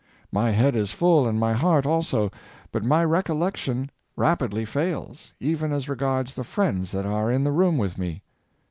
My head is full, ard my heart also, but my recollection rapidly fails, evtn as regards the friends that are in the room with me.